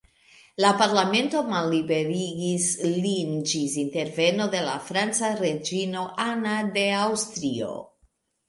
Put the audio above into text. La Parlamento malliberigis lin ĝis interveno de la franca reĝino Anna de Aŭstrio.